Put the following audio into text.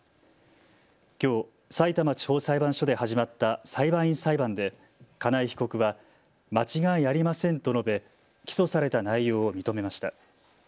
きょう、さいたま地方裁判所で始まった裁判員裁判で金井被告は間違いありませんと述べ起訴された内容を認めました。